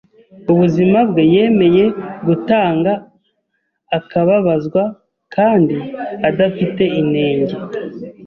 ubuzima bwe yemeye gutanga, akababazwa kandi adafite inenge